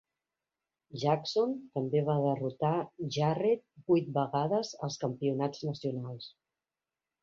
Jackson també va derrotar Jarrett vuit vegades als campionats nacionals.